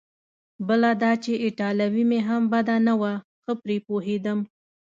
بله دا چې ایټالوي مې هم بده نه وه، ښه پرې پوهېدم.